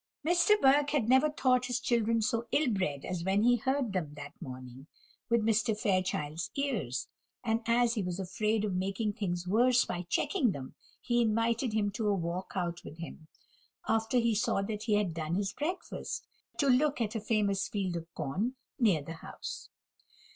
Mr. Burke had never thought his children so ill bred as when he heard them, that morning, with Mr. Fairchild's ears; and as he was afraid of making things worse by checking them, he invited him to walk out with him, after he saw that he had done his breakfast, to look at a famous field of corn near the house.